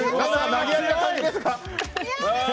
投げやりな感じですが。